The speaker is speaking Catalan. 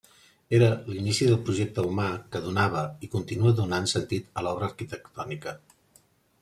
Era l’inici del projecte humà que donava i continua donant sentit a l’obra arquitectònica.